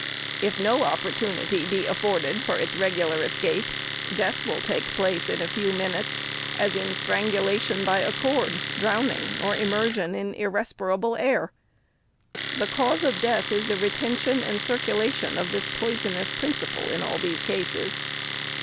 If no opportunity be afforded for its regular escape, death will take place in a few minutes, as in strangulation by a cord, drowning, and immersion in irrespirable air. The cause of death is the retention and circulation of this poison ous principle in all these cases.